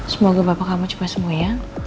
semoga bapak kamu cepat sembuh ya